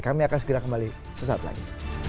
kami akan segera kembali sesaat lagi